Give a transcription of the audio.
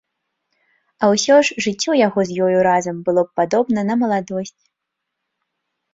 А ўсё ж жыццё яго з ёю разам было б падобна на маладосць.